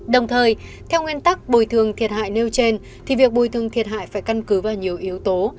đồng thời theo nguyên tắc bồi thường thiệt hại nêu trên thì việc bồi thường thiệt hại phải căn cứ vào nhiều yếu tố